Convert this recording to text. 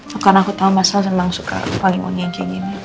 bukan aku tau mas hal senang suka panggungnya yang kayak gini